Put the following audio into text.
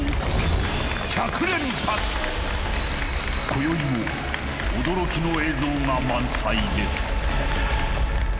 今宵も驚きの映像が満載です